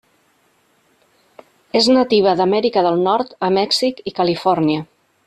És nativa d'Amèrica del Nord a Mèxic i Califòrnia.